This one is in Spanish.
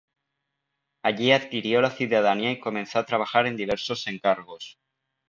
Allí adquirió la ciudadanía y comenzó a trabajar en diversos encargos.